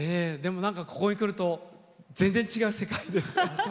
ここに来ると全然、違う世界ですね。